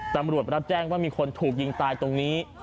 ตำรวจรับแจ้งว่ามีคนถูกยิงตายตรงนี้